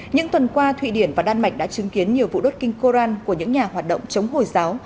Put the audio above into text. những tuần qua thụy điển và đan mạch đã chứng kiến nhiều vụ đốt kinh koran của những nhà hoạt động chống hồi giáo